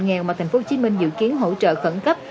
nghèo mà tp hcm dự kiến hỗ trợ khẩn cấp